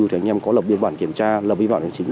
thì anh em có lập biên bản kiểm tra lập biên bản chính